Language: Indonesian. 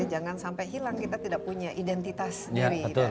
jangan sampai hilang kita tidak punya identitas sendiri